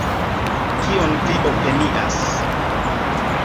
Kion vi opinias?